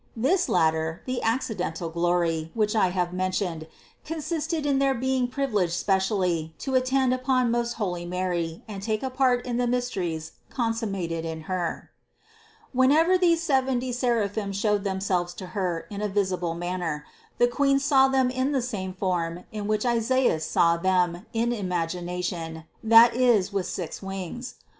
This latter, the accidental glory, which I have mentioned, consisted in their being privi leged specially to attend upon most holy Mary and take a part in the mysteries consummated in Her. 368. Whenever these seventy seraphim showed them selves to Her in a visible manner, the Queen saw them in the same form in which Isaias saw them in imagina tion, that is with six wings.